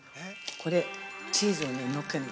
これ、チーズをね、のっけんの。